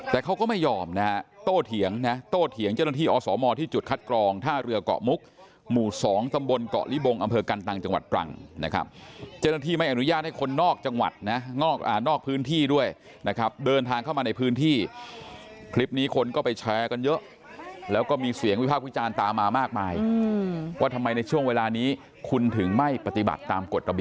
แต่เขาไม่ยอมโตเถียงเจ้าหน้า